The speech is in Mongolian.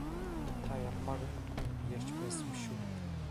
Та явмаар юм ярьж байсан биш үү?